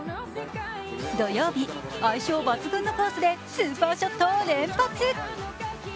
土曜日、相性抜群のコースでスーパーショットを連発。